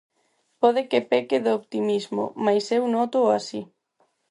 Pode que peque de optimismo mais eu nótoo así.